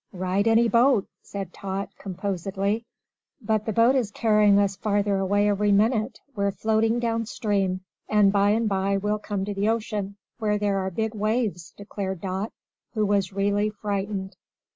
"Ride in 'e boat," said Tot, composedly. "But the boat is carrying us farther away every minute. We're floating downstream; and by and by we'll come to the ocean, where there are big waves," declared Dot, who was really frightened.